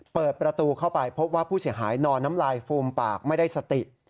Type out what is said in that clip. เปิดประตูเข้าไปพบว่าผู้เสียหายนอนน้ำลายฟูมปากไม่ได้สติ